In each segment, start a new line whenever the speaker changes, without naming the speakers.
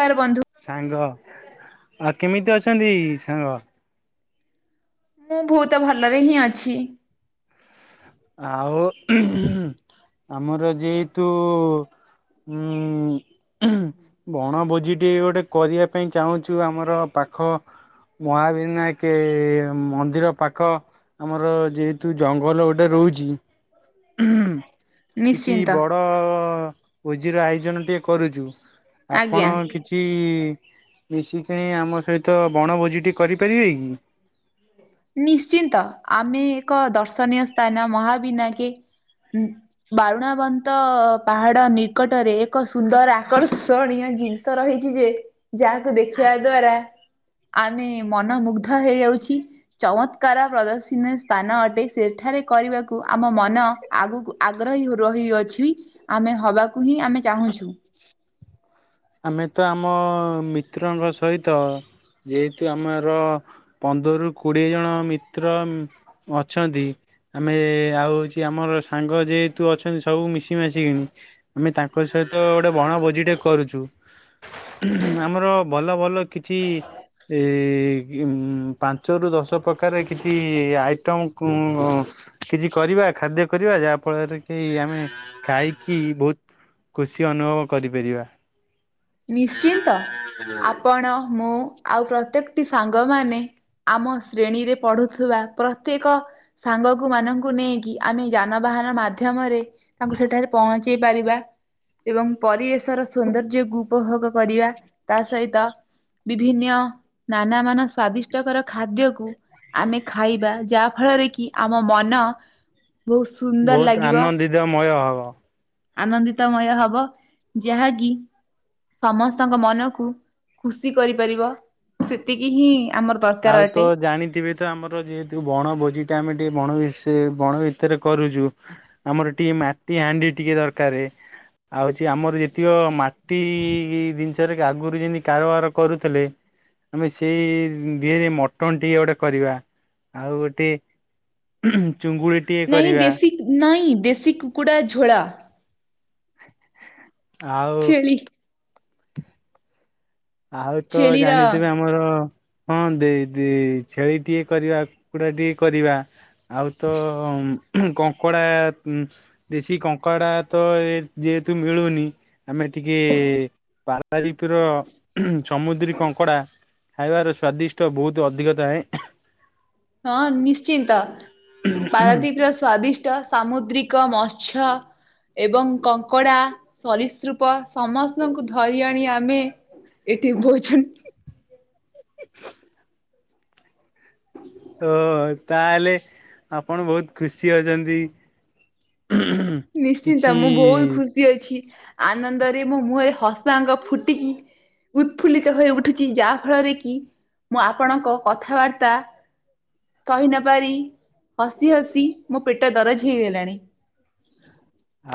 କାରେ ବନ୍ଧୁ।
ସାଙ୍ଗ ଆଉ କେମିତି ଅଛନ୍ତି ସାଙ୍ଗ?
ମୁଁ ବହୁତ ଭଲରେ ହିଁ ଅଛି।
ଆଉ ଆମର ଯେହେତୁ ଉଁ ବଣଭୋଜିଟି ଗୋଟେ କରିବା ପାଇଁ ଚାହୁଁଛୁ ଆମର ପାଖ ମହାବିନାୟକେ ମନ୍ଦିର ପାଖ ଆମର ଯେହେତୁ ଜଙ୍ଗଲ ଗୋଟେ ଗୋଟେ ରହୁଛି କିଛି
ନିଶ୍ଚିନ୍ତ।
ବଡ ଭୁଜିର ଆୟୋଜନ ଟିକେ କରୁଛୁ
ଆଜ୍ଞା
ଆପଣ କି କିଛି ମିଶିକିଣି ଆମ ସହିତ ବଣଭୋଜିଟି କରିପାରିବେ କି?
ନିଶ୍ଚିନ୍ତ ଆମେ ଏକ ଦର୍ଶନୀୟ ସ୍ଥାନ ମହାବିନା କେ ବାରୁଣବନ୍ତ ପାହାଡ ନିକଟରେ ଏକ ସୁନ୍ଦର ଆକର୍ଷଣୀୟ ଜିନିଷ ରହିଛି ଯେ ଯାହାକୁ ଦେଖିବା ଦ୍ଵାରା। ଆମେ ମନମୁଗ୍ଧ ହେଇଯାଉଛି। ଚମତ୍କାର ପ୍ରଦର୍ଶନୀ ସ୍ଥାନ ଅଟେ ସେଠାରେ କରିବାକୁ ଆମ ମନ ଆଗକୁ ଆଗ୍ରହୀ ରହିଅଛି ଆମେ ହବାକୁ ହିଁ ଆମେ ଚାହୁଁଛୁ।
ଆମେ ତ ଆମ ମିତ୍ରଙ୍କ ସହିତ ଯେହେତୁ ଆମର ପନ୍ଦରରୁ କୋଡିଏ ଜଣ ମିତ୍ର ଅଛନ୍ତି। ଆମେ ଆଉ ହଉଛି ଆମର ସାଙ୍ଗ ଯେହେତୁ ଅଛନ୍ତି ସବୁ ମିଶି ମାସି କି। ଆମେ ତାଙ୍କ ସହିତ ଗୋଟେ ବଣଭୋଜି ଟେ କରୁଛୁ। ଆମର ଭଲ ଭଲ କିଛି ଏ ଏ ପାଞ୍ଚରୁ ଦଶ ପକ୍ଷ କରେ କିଛି ଆଇଟମ କିଛି କରିବା ଖାଦ୍ୟ କରିବା ଯା ଫ ହା ଫଳରେ କି ଆମେ ଖାଇକି ବହୁତ ଖୁସି ଅନୁଭବ କରିପାରିବା।
ନିଶ୍ଚିନ୍ତ ଆପଣ ମୁଁ। ଆଉ ପ୍ରତ୍ୟେକଟି ସାଙ୍ଗମାନେ ଆମ ଶ୍ରେଣୀରେ ପଢୁଥିବା ପ୍ରତ୍ୟେକ ସାଙ୍ଗକୁମାନଙ୍କୁ ନେଇକି ଆମେ ଯାନବାହାନ ମାଧ୍ୟମରେ ତାଙ୍କୁ ସେଠାରେ ପହଞ୍ଚେଇ ପାରିବା ଏବଂ ପରିବେଶର ସୌନ୍ଦର୍ଯ୍ୟକୁୁ ଉପଭୋଗ କରିବା ତା ସହିତ ବିଭିନ୍ନ ନାନା ମାନ ସ୍ଵାଦିଷ୍ଟକର ଖାଦ୍ୟକୁ ଆମେ ଖାଇବା ଯାହା ଫଳରେ କି ଆମ ମନ ବହୁତ ସୁନ୍ଦର
ବହୁତ
ଲାଗିବ
ଆନନ୍ଦିତମୟ ହବ।
ଆନନ୍ଦିତମୟ ହବ ଯାହାକି ସମସ୍ତଙ୍କ ମନକୁ ଖୁସି କରିପାରିବ ସେତିକି ହିଁ ଆମର ଦରକାର
ଆଉ ତ
ଅଟେ।
ଜାଣିଥିବେ? ତ ଆମର ଯେହେତୁ ବଣ ଭୋଜି ଟା ଆମେ ବଣସେ ବଣ ଭିତରେ କରୁଛୁ। ଆମର ଟିକେ ମାଟି ହାଣ୍ଡି ଟିକେ ଦରକାର ଆଉଛି ଆମର ଯେତିକ ମା ଟି ଜିନିଷରେ ଆଗରୁ ଯେମିତି କାରବାର କରୁଥିଲେ ଆମେ ସେଇ ଦିଏ ମଟନ ଟିକେ ଗୋଟେ କରିବା ଆଉ ଗୋଟେ ଚୁଙ୍ଗୁଢି
ନାଇଁ ଦେଶୀ ନାଇଁ ଦେଶୀ କୁକୁଡ଼ା ଝୋଳ।
ଆଉ।
ଛେଳି
ଆଉ ତ
ଛେଳିର
ଜାଣିଥିବେ ଆମ ମୋର ହଁ ଦେଇ ଦେଇ ଛେଳି ଟିକେ କରିବା କୁକୁଡ଼ା ଟିକେ କରିବା। ଆଉ ତମ। କଙ୍କଡ଼ା ଦେଶୀ କଙ୍କଡ଼ା ତ ଯେହେତୁ ମିଳୁନି। ଆମେ ଟିକେ ପାର ପାରିପିର ସମୁଦ୍ରୀ କଙ୍କଡ଼ା ଖାଇବାର ସ୍ଵାଦିଷ୍ଟ ବହୁତ ଅଧିକ ଥାଏ।
ହଁ ନିଶ୍ଚିନ୍ତ। ପାରାଦୀପ ର ସ୍ଵାଦିଷ୍ଟ ସାମୁଦ୍ରିକ ମତ୍ସ୍ୟ ଏବଂ କଙ୍କଡ଼ା ସରିସୃପ ସମସ୍ତଙ୍କୁ ଧରି ଆଣି ଆମେ ଏଠି ଭୋଜନ
[inaudible] ଓ ତାହେଲେ ଆପଣ ବହୁତ୍ ଖୁସି ଅଛନ୍ତି।
ନିଶ୍ଚିନ୍ତ ମୁଁ ବହୁତ
କିଛି
ଖୁ ସି ଅଛି ଆନନ୍ଦରେ ମୋ ମୁହଁରେ ହସାଙ୍ଗ ଫୁଟିକି। ଉତ୍ଫୁଲ୍ଲିତ ହୋଇ ଉଠୁଛି ଯାହା ଫଳରେ କି ମୁଁ ଆପଣଙ୍କ କଥାବାର୍ତ୍ତା। କହି ନପାରି ହସି ହସି ମୋ ପେଟ ଦରଜ ହେଇଗଲାଣି।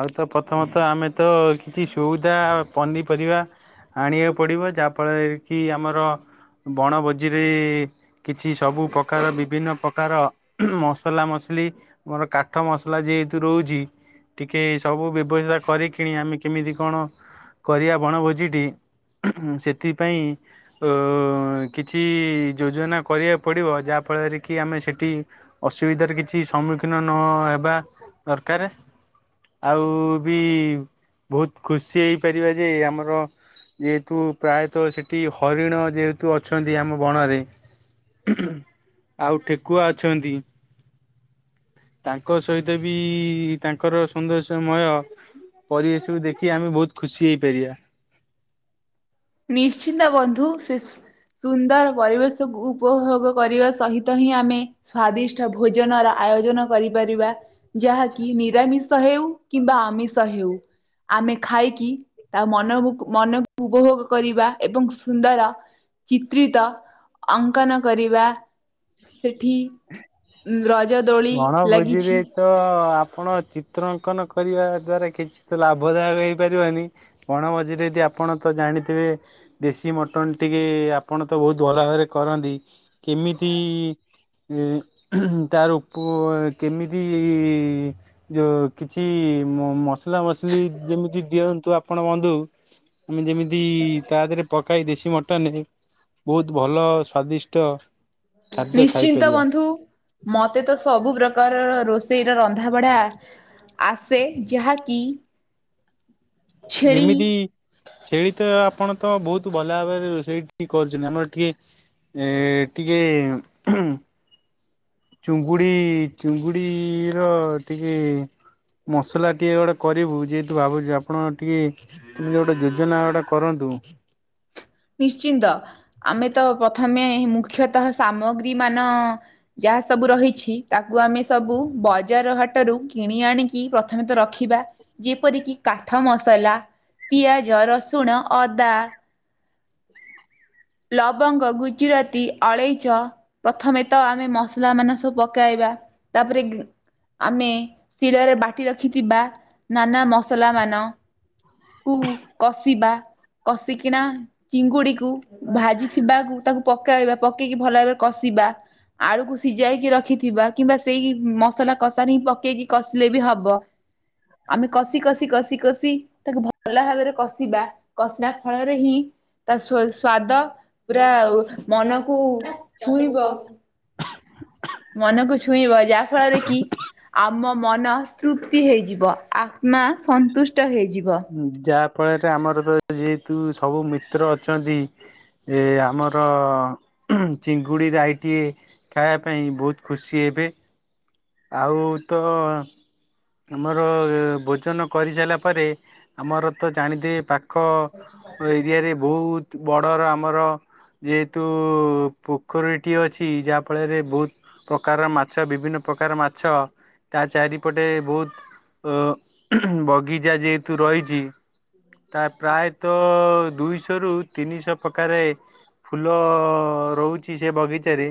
ଆଉ ତ ପ୍ରଥମତଃ ଆମେ ତ କିଛି ସଉଦା ପନିପରିବା। ଆଣିବାକୁ ପଡ଼ିବ ଯାହାଫଳରେ କି ଆମର ବଣଭୋଜିରେ। କିଛି ସବୁ ପ୍ରକାର ବିଭିନ୍ନ ପ୍ରକାର। ମସଲା ମସଲି ମୋର କାଠ ମସଲା ଯେହେତୁ ରହୁଚି। ଟିକେ ସବୁ ବ୍ୟବସ୍ଥା କରିକିଣି ଆମେ କେମିତି କଣ କରିବା ବଣଭୋଜିଟି। ସେଥିପାଇଁ। ଓ କିଛି ଯୋଜନା କରିବାକୁ ପଡ଼ିବ ଯାହାଫଳରେ କି ଆମେ ସେଠି। ଅସୁବିଧାରେ କିଛି ସମ୍ମୁଖୀନ ନ ହେବା ଦରକାରେ। ଆଉ ବି ବହୁତ୍ ଖୁସି ହେଇପାରିବା ଯେ ଆମର। ଯେହେତୁ ପ୍ରାୟତଃ ସେଠି ହରିଣ ଯେହେତୁ ଅଛନ୍ତି ଆମ ବଣରେ। ଆଉ ଠେକୁଆ ଅଛନ୍ତି। ତାଙ୍କ ସହିତ ବି ତା ଙ୍କର ସୌନ୍ଦର୍ଯ୍ୟ ମୟ ପରିବେଶରୁ ଦେଖି ଆମେ ବହୁତ୍ ଖୁସି ହେଇପାରିବା।
ନିଶ୍ଚିନ୍ତ ବନ୍ଧୁ ସେ ସୁନ୍ଦର ପରିବେଶକୁ ଉପଭୋଗ କରିବା ସହିତ ହିଁ ଆମେ। ସ୍ଵାଦିଷ୍ଟ ଭୋଜନର ଆୟୋଜନ କରିପାରିବା। ଯାହାକି ନିରାମିଷ ହେଉ କିମ୍ବା ଆମିଷ ହେଉ। ଆମେ ଖାଇକି ତା ମନବୁକୁ ମନକୁ ଉପଭୋଗ। କରିବା ଏବଂ ସୁନ୍ଦର ଚିତ୍ରିତ ଅଙ୍କନ କରିବା। ସେଠି ରଜ ଦୋଳି
ବଣଭୋଜିରେ
ଲାଗିଛି।
ତ ଆପଣ ଚିତ୍ର ଅଙ୍କନ କରିବା ଦ୍ଵରା କିଛି ତ ଲାଭଦାୟକ ହେଇପାରିବାନି। କଣ ମଝିରେ ଯେ ଆପଣ ତ ଜାଣିଥିବେ। ଦେଶୀ ମଟନ ଟିକେ ଆପଣ ତ ବହୁତ ଭଲ ଭାବରେ କରନ୍ତି କେମିତି। ତାର ଉପ କେମିତି। ଯୋ କିଛି ମ ମସଲା ମସଲି ଯେମିତି ଦିଅନ୍ତୁ ଆପଣ ବନ୍ଧୁ। ଆମେ ଯେମିତି ତା ଦେହରେ ପକାଇ ଦେଶୀ ମଟନରେ। ବହୁତ ଭଲ ସ୍ଵାଦିଷ୍ଟ। ଖାଦ୍ୟ
ନିଶ୍ଚିନ୍ତ
ଖାଇପାରିବା।
ବନ୍ଧୁ। ମତେ ତ ସବୁ ପ୍ରକାରର ରୋଷେଇର ରନ୍ଧା ବଢ଼ା। ଆସେ ଯାହାକି। ଛେଳି
ଯେମିତି। ସେଇ ତ ଆପଣ ତ ବହୁତ ଭଲ ଭାବରେ ରୋଷଇ ଟିକେ କରୁଛନ୍ତି ଆମର କିଏ। ଏ ଟିକେ। ଚୁଙ୍ଗୁଡି ଚୁଙ୍ଗୁଡି ର ଟିକେ। ମସଲା ଟିକେ ଗୋଟେ କରିବୁ ଯେହେତୁ ଭାବୁଛି ଆପଣ ଟିକେ। କେମିତି ଗୋଟେ ଯୋଜନା ଗୋଟା କରନ୍ତୁ।
ନିଶ୍ଚିନ୍ତ ଆମେ ତ ପ୍ରଥମେ ମୁଖ୍ୟତଃ ସାମଗ୍ରୀ ମାନ। ଯାହା ସବୁ ରହିଛି ତାକୁ ଆମେ ସବୁ ବଜାର ହାଟରୁ କିଣି ଆଣିକି ପ୍ରଥମେ ତ ରଖିବା। ଯେପରିକି କାଠ ମସଲା ପିଆଜ ରସୁଣ ଅଦା। ଲବଙ୍ଗ ଗୁଜୁରାତି ଅଳେଇଚ। ପ୍ରଥମେ ତ ଆମେ ମସଲା ମାନ ସବୁ ପକେଇବା ତାପରେ ଆମେ ଶିଳରେ ବାଟି ରଖିଥିବା ନାନା ମସଲାମାନ କୁ କଷିବା କଷିକିନା ଚିଙ୍ଗୁଡିକୁ ଭାଜି ଥିବାକୁ ତାକୁ ପକେଇବା ପକେଇକି ଭଲ ଭାବରେ କଷିବା। ଆଳୁକୁ ସିଝାଇକି ରଖିଥିବା କିମ୍ବା ସେଇ ମସଲା କଷାରେ ହିଁ ପକେଇକି କଷିଲେ ବି ହବ। ଆମେ କସିି କସି କସିି କସିି ତାକୁ ଭ ଭଲ ଭାବରେ କଷିବା କଷିଲା ଫଳରେ ହିଁ ତା ସ୍ୱା-ସ୍ଵାଦ ପୁରା ଉ ମନକୁ ଛୁଇଁବ।
[inaudible]
ମନକୁ ଛୁଇଁବ ଯାହା ଫଳରେ କି ଆମ ମନ ତୃପ୍ତି ହେଇଯିବ। ଆତ୍ମା ସନ୍ତୁଷ୍ଟ ହେଇଯିବ।
ଯାହା ଫଳରେ ଆମର ତ ଯେହେତୁ ସବୁ ମିତ୍ର ଅଛନ୍ତି। ଏ ଆମର ଚିଙ୍ଗୁଡ଼ି ରାଇ ଟିଏ ଖାଇବା ପାଇଁ ବହୁତ ଖୁସି ହେବେ। ଆଉ ତ ଆମର ଭୋଜନ କରିସାରିଲା ପରେ ଆମର ତ ଜାଣିଥିବେ ପାଖ ଏରିଆରେ ବହୁତ ବଡ଼ର ଆମର ଯେହେତୁ ପୋଖରୀ ଟିଏ ଅଛି। ଯାହା ଫଳରେ ବହୁତ ପ୍ରକାରର ମାଛ ବିଭିନ୍ନ ପ୍ରକାର ମାଛ ତା ଚାରିପଟେ ବହୁତ ଅ ବଗିଚା ଯେହେତୁ ରହିଛି। ତା ପ୍ରାୟ ତ ଦୁଇଶହ ରୁ ତିନିଶହ ପ୍ରକାରେ ଫୁଲ ରହୁ ସେ ବଗିଚାରେ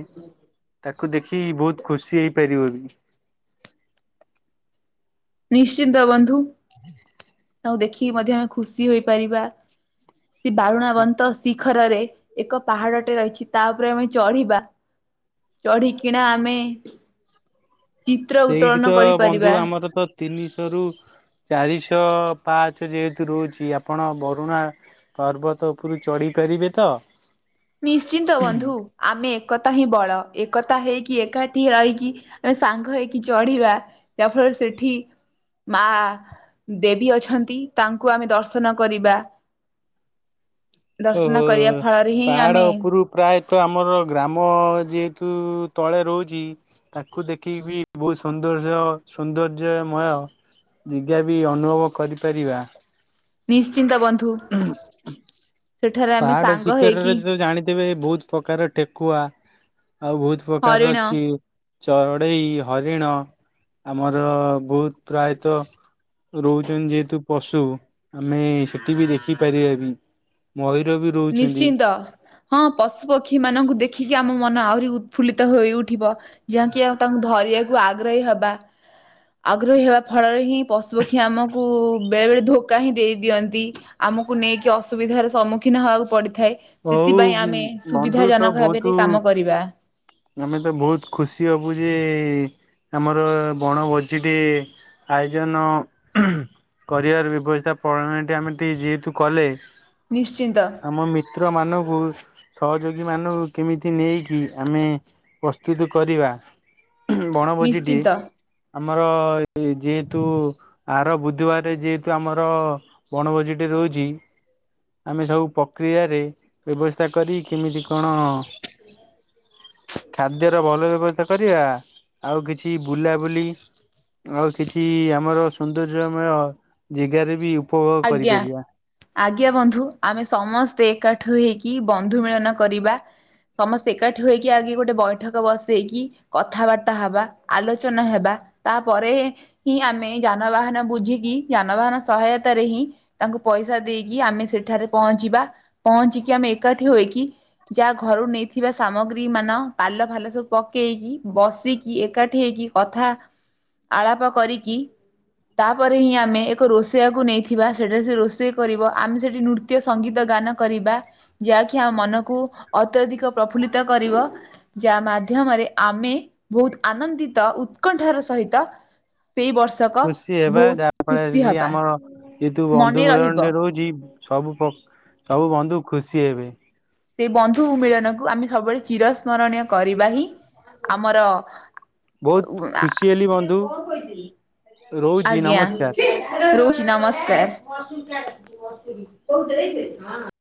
ତାକୁ ଦେଖି ବହୁତ ଖୁସି ହେଇପାରିବ ବି।
ନିଶ୍ଚିନ୍ତ ବନ୍ଧୁ। ତାଙ୍କୁ ଦେଖିକି ମଧ୍ୟ ଆମେ ଖୁସି ହୋଇପାରିବା ସେ ବାରୁଣା ବନ୍ତ ସି ଖରରେ ଏକ ପାହାଡଟେ ରହିଛି ତା ଉପରେ ଆମେ ଚଢ଼ିବା। ଚଢ଼ି କିିଣା ଆମେ ଚିତ୍ର ଉତ୍ତୋଳନ କରିପାରିବା।
ତିନିଶହରୁ ଚାରିଶହ ପାଞ୍ଚ ଯେହେତୁ ରହୁଛି ଆପଣ ବରୁଣା ପର୍ବତ ଉପରୁ ଚଢ଼ି ପାରିବି ତ।
ନିଶ୍ଚିନ୍ତ ବନ୍ଧୁ ଆମେ ଏକତା ହିଁ ବଳ ଏକତା ହେଇକି ଏକାଠି ରହିକି ଆମେ ସାଙ୍ଗ ହେଇକି ଚଢ଼ିବା ଯାହା ଆପଣଙ୍କୁ ଫଳରେ ସେଠି ମା ଦେବୀ ଅଛନ୍ତି ତାଙ୍କୁ ଆମେ ଦର୍ଶନ କରିବା। ଦର୍ଶନ କରିବା ଫଳରେ ହିଁ
ପାହାଡ଼
ଆମେ
ଉପରୁ ପ୍ରାୟତଃ ଆମର ଗ୍ରାମ ଯେହେତୁ ତଳେ ରହୁଛି ତାକୁ ଦେଖିକି ବି ବହୁତ ସୌନ୍ଦର୍ଯ୍ୟ ସୌନ୍ଦର୍ଯ୍ୟମୟ ନିଜେ ବି ଅନୁଭବ କରିପାରିବା।
ନିଶ୍ଚିନ୍ତ ବନ୍ଧୁ।
ହୁଁ
ସେଠାରେ ଆମେ
ପାହାଡ
ସାଙ୍ଗ
ଶିଖରରେ
ହେଇକି
ତ ଜାଣିଥିବେ ବହୁତ ପ୍ରକାର ଠେକୁଆ ଆଉ ବହୁତ ପ୍ରକାରର
ହରିଣ
ଚିଉ ଚଢ଼େଇ, ହରିଣ ଆମର ବହୁତ ପ୍ରାୟତଃ ରହୁଛନ୍ତି ଯେହେତୁ ପଶୁ ଆମେ ସେଠି ବି ଦେଖିପାରିବା ବି। ମୟୂର ବି ରୋ
ନିଶ୍ଚିନ୍ତ ହଁ ପଶୁ ପକ୍ଷୀ ମାନଙ୍କୁ ଦେଖିକି ଆମ ମନ ଆହୁରି ଉତ୍ଫୁଲିତ ହୋଇ ଉଠିବ। ଯାଙ୍କି ଆଉ ତାଙ୍କୁ ଧରିବାକୁ ଆଗ୍ରହୀ ହବା। ଆଗ୍ରହୀ ହେବା ଫଳରେ ହିଁ ପଶୁପକ୍ଷୀ ଆମକୁ ବେଳେବେଳେ ଧୋକା ହିଁ ଦେଇ ଦିଅନ୍ତି। ଆମକୁ ନେଇକି ଅସୁବିଧାର ସମ୍ମୁଖୀନ ହବାକୁ ପଡିଥାଏ।
ହଉ
ସେଥିପାଇଁ ଆମେ
ବନ୍ଧୁ
ସୁବିଧା
ତ
ଜନକ ଭାବରେ
ବହୁତ
କାମ କରିବା।
ଆମେ ତ ବହୁତ୍ ଖୁସି ହବୁ ଯେ ଆମର ବଣଭୋଜିଟି ଆୟୋଜନ। କରିବାର ବ୍ୟବସ୍ଥା ପଣାଳିଟା ଆମେ ଟିକେ ଯେହେତୁ କଲେ।
ନିଶ୍ଚିନ୍ତ।
ଆମ ମିତ୍ରମାନଙ୍କୁ ସହଯୋଗୀମାନାନଙ୍କୁ କେମିତି ନେଇକି ଆମେ ପ୍ରସ୍ତୁତ କରିବା ବଣଭୋଜିଟି।
ନିଶ୍ଚିନ୍ତ
ଆମର ଯେହେତୁ ଆର ବୁଧବାରେ ଯେହେତୁ ଆମର ବଣଭୋଜି ଟି ରହୁଛି। ଆମେ ସବୁ ପ୍ରକ୍ରିୟାରେ ବ୍ୟବସ୍ଥା କରି କେମିତି କଣ। ଖାଦ୍ୟର ଭଲ ବ୍ୟବସ୍ଥା କରିବା ଆଉ କିଛି ବୁଲାବୁଲି ଆଉ କିଛି ଆମର ସୌନ୍ଦର୍ଯ୍ୟମୟ ଜେଗାରେ ବି ଉପଭୋଗ
ଆଜ୍ଞା।
କରିପାରିବା
ଆଜ୍ଞା ବନ୍ଧୁ ଆମେ ସମସ୍ତେ ଏକାଠ ହେଇକି ବନ୍ଧୁ ମିଳନ କରିବା। ସମସ୍ତେ ଏକାଠି ହୋଇକି ଆଗେ ଗୋଟେ ବୈଠକ ବସେଇକି କଥାବାର୍ତ୍ତା ହବା ଆଲୋଚନା ହେବା ତାପରେ ହିଁ ଆମେ ଯାନବାହାନ ବୁଝିକି ଯାନବାହାନ ସହାୟତ ତାରେ ହିଁ ତାଙ୍କୁ ପଇସା ଦେଇକି ଆମେ ସେଠାରେ ପହଞ୍ଚିବା। ପହଞ୍ଚ କିି ଆମେ ଏକାଠି ହୋଇ କି ଯାହା ଘରୁ ନେଇଥିବା ସାମଗ୍ରୀ ମାନ ପାଲ ଫାଲ ସବୁ ପକେଇକି ବସିକି ଏକାଠି ହେଇକି କଥା ଆଳାପ କରିକି ତାପରେ ହିଁ ଆମେ ଏକ ରୋଷେଇଆକୁ ନେଇ ଥିବା ସେଠାରେ ସେ ରୋଷେଇ କରିବ ଆମେ ସେଇଠି ନୃତ୍ୟ ସଙ୍ଗୀତ ଗାନ କରିବା। ଯାହାକି ଆମ ମନକୁ ଅତ୍ୟଧିକ ପ୍ରଫୁଲ୍ଲିତ କରିବ। ଯାହା ମାଧ୍ୟମରେ ଆମେ ବହୁତ୍ ଆନନ୍ଦିତ ଉତ୍କଣ୍ଠାର ସହିତ ସେଇ ବର୍ଷ
ଖୁସି ହେବା ଯାହା ଫଳରେ କି ଆମର ଯେହେତୁ ବନ୍ଧୁ
ମନେ ରହିବ
ମିଳନ ଟେ ରହୁଛି ସବୁ ପ ସବୁ ବନ୍ଧୁ ଖୁସି ହେବେ।
ସେଇ ବନ୍ଧୁ ମିଳନକୁ ଆମେ ସବୁବେଳେ ଚିର ସ୍ମରଣୀୟ କରିବା ହିଁ ଆମର
ବହୁତ ଖୁସି ହେଲି ବନ୍ଧୁ
ଆଜ୍ଞା।
ରହୁଛି ନମସ୍କାର।
ରହୁଚି ନମସ୍କାର।